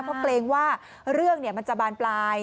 เพราะเกรงว่าเรื่องมันจะบานปลาย